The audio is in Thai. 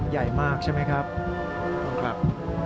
ใหญ่มากใช่ไหมครับคุณครับ